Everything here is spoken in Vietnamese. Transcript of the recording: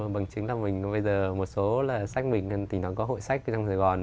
bằng chứng là mình bây giờ một số sách mình tỉnh đóng có hội sách trong sài gòn